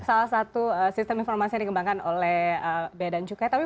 salah satu sistem informasi yang dikembangkan oleh bea dan cukai